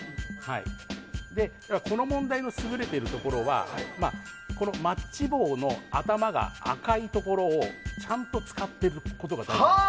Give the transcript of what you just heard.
この問題の優れているところはマッチ棒の頭が赤いところをちゃんと使ってることが大事です。